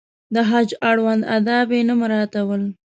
د حج اړوند آداب یې نه مراعاتول.